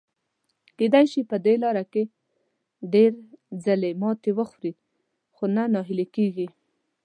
کېدای شي په دې لاره کې ډېر ځلي ماتې وخوري، خو نه ناهیلي کیږي.